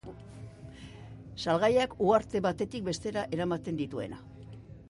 Salgaiak uharte batetik bestera eramaten dituena.